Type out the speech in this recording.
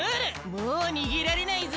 もうにげられないぞ！